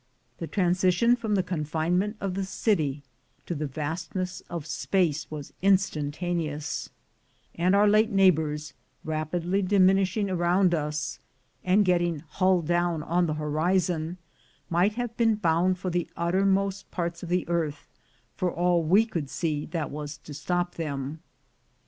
The transition from the confinement of the city to the vastness of space was instantaneous; and our late neighbors, rapidly diminishing around us, and getting hull down on the horizon, might have been bound for the uttermost parts of the earth, for all we could see that was to stop them.